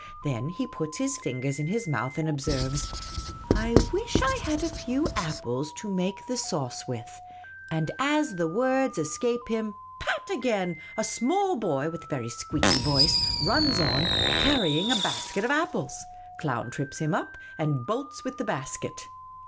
Then he puts his fingers in his mouth and observes, ' I wish I had a few apples to make the sauce with '; and as the words escape him — pat again — a small boy with a very squeaky voice runs on, carrying a basket of apples. Clown trips him up, and bolls with the basket.